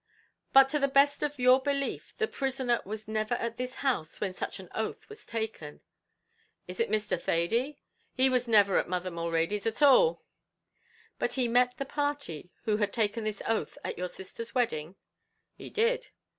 "But to the best of your belief the prisoner was never at this house when such an oath was taken?" "Is it Mr. Thady? He was niver at mother Mulready's at all." "But he met the party who had taken this oath at your sister's wedding?" "He did."